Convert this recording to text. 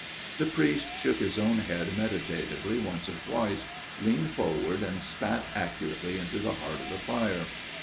The priest shook his own head meditatively once or twice, leaned forward and spat accurately into the heart of the fire.